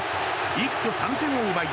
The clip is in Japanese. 一挙３点を奪い